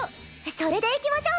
それでいきましょう！